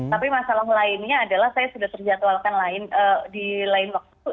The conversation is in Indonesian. tapi masalah lainnya adalah saya sudah terjadwalkan di lain waktu